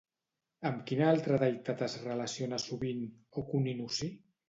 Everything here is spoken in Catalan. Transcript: Amb quina altra deïtat es relaciona sovint Ōkuninushi?